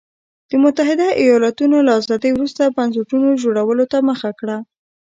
د متحده ایالتونو له ازادۍ وروسته بنسټونو جوړولو ته مخه کړه.